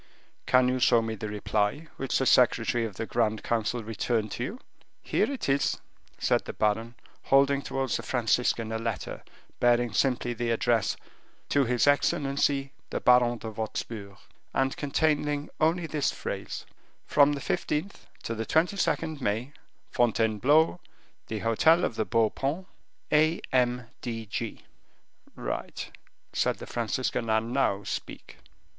"Can you show me the reply which the secretary of the grand council returned to you?" "Here it is," said the baron, holding towards the Franciscan a letter bearing simply the address, "To his excellency the Baron de Wostpur," and containing only this phrase, "From the 15th to the 22nd May, Fontainebleau, the hotel of the Beau Paon. A. M. D. G." "Right," said the Franciscan, "and now speak."